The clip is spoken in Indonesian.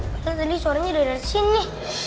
padahal tadi suaranya dari sini